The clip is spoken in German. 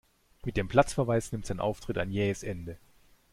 Mit dem Platzverweis nimmt sein Auftritt ein jähes Ende.